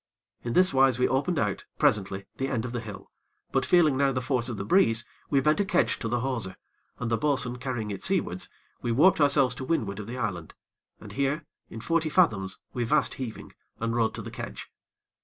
In this wise we opened out, presently, the end of the hill; but feeling now the force of the breeze, we bent a kedge to the hawser, and, the bo'sun carrying it seawards, we warped ourselves to windward of the island, and here, in forty fathoms, we vast heaving, and rode to the kedge.